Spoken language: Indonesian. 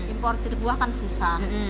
importer buah kan susah